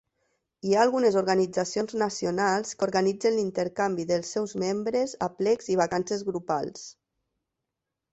Hi ha algunes organitzacions nacionals que organitzen l'intercanvi dels seus membres, aplecs i vacances grupals.